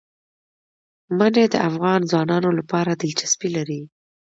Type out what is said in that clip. منی د افغان ځوانانو لپاره دلچسپي لري.